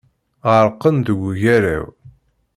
Ɣerqen deg ugaraw.